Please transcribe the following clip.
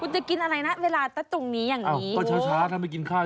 ถอดไหมเนี้ยหายเย็นน่ะ